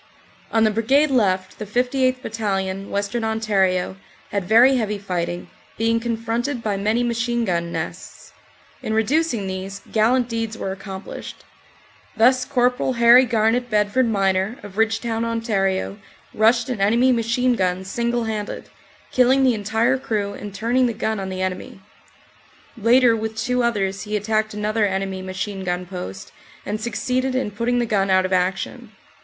On the Brigade left the 58th. Battalion, Western Ontario, had very heavy fighting, being confronted by many machine gun nests. In reducing these gallant deeds were accomplished. Thus Cpl. Harry Garnet Bedford Miner, of Ridgetown, Ont, rushed an enemy machine gun single handed, killing the entire crew and turning the gun on the enemy. Later, with two others, he attacked another enemy machine gun post and suc ceeded in putting the gun out of action.